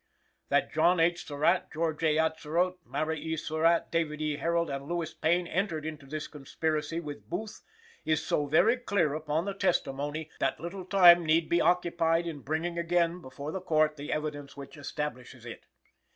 "That John H. Surratt, George A. Atzerodt, Mary E. Surratt, David E. Herold, and Louis Payne entered into this conspiracy with Booth, is so very clear upon the testimony, that little time need be occupied in bringing again before the Court the evidence which establishes it.